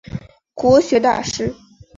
国学大师。